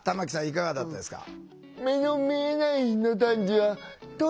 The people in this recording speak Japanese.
いかがだったですか？